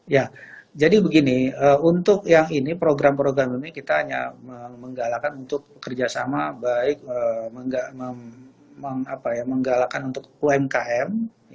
ya jadi begini untuk yang ini program program ini kita hanya menggalakkan untuk kerjasama baik menggalakan untuk umkm